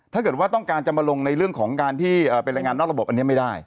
ถ้าเกิดว่าต้องการจะมาลงในเรื่องของการที่เป็นรายงานนอกระบบอันนี้ไม่ได้